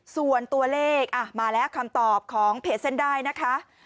ส่วนตัวเลขมาแล้วคำตอบของเพจเส้นได้นะคะ